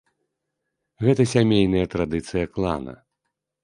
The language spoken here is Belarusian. Гэта сямейная традыцыя клана.